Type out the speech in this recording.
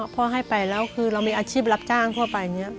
พ่อให้ไปแล้วคือเรามีอาชีพรับจ้างทั่วไป